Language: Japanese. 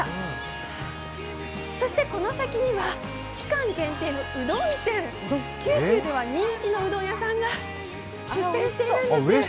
そして、この先には期間限定のうどん店、九州では人気のうどん屋さんが出店しているんです。